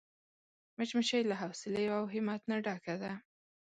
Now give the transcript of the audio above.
مچمچۍ له حوصلې او همت نه ډکه ده